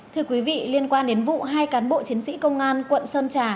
thưa quý vị liên quan đến vụ hai cán bộ chiến sĩ công an quận sơn trà